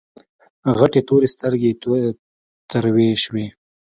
غټې تورې سترګې يې تروې شوې.